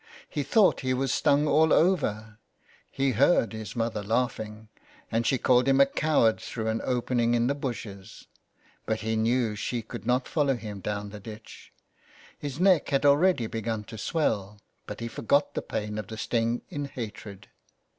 He thought he was stung all over, he heard his mother laugh ing, and she called him a coward through an open ing in the bushes, but he knew she could not follow him down the ditch. His neck had already begun to swell, but he forgot the pain of the sting in hatred.